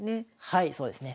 はいそうですね。